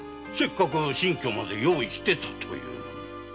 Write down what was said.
せっかく新居まで用意していたというのに。